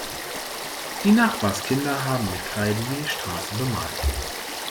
Die Nachbarskinder haben mit Kreide die Straße bemalt.